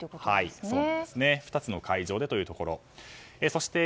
２つの会場でというところです。